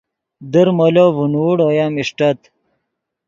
در مولو ڤینوڑ اویم اݰٹت